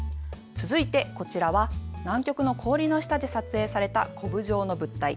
続いて、こちらは南極の氷の下で撮影されたこぶ状の物体。